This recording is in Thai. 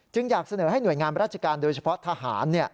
อยากเสนอให้หน่วยงานราชการโดยเฉพาะทหาร